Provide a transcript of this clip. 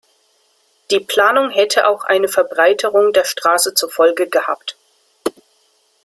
Die Planung hätte auch eine Verbreiterung der Straße zur Folge gehabt.